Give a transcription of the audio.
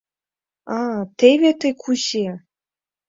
— А, теве тый кузе!